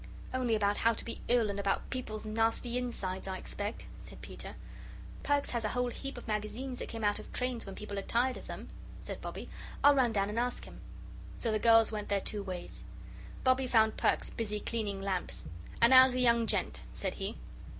"Only about how to be ill, and about people's nasty insides, I expect," said Peter. "Perks has a whole heap of Magazines that came out of trains when people are tired of them," said Bobbie. "I'll run down and ask him." So the girls went their two ways. Bobbie found Perks busy cleaning lamps. "And how's the young gent?" said he.